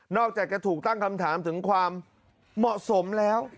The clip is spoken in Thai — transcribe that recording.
อกจากจะถูกตั้งคำถามถึงความเหมาะสมแล้ว